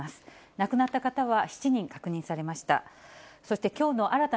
亡くなった方は７人確認されました。